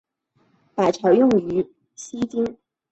钯常用于烯烃或炔烃发生氢化反应的催化剂。